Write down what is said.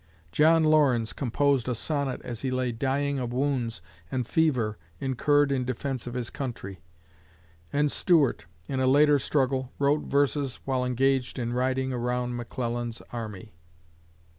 John Laurens composed a sonnet as he lay dying of wounds and fever incurred in defence of his country; and Stuart, in a later struggle, wrote verses while engaged in riding around McClellan's army.